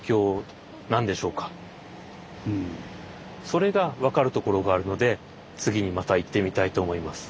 それが分かるところがあるので次にまた行ってみたいと思います。